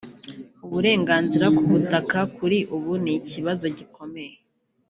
Ati “ Uburenganzira ku butaka kuri ubu ni ikibazo gikomeye